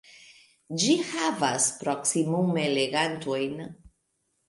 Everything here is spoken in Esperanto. Ĝi havas proksimume legantojn.